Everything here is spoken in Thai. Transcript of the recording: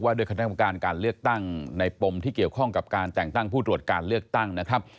ด้วยคณะกรรมการการเลือกตั้งในปมที่เกี่ยวข้องกับการแต่งตั้งผู้ตรวจการเลือกตั้งนะครับ